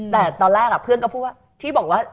แต่ตอนแรกพื้นก็พูดว่า